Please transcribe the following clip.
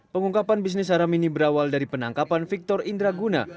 pengungkapan bisnis haram ini berawal dari penangkapan victor indraguna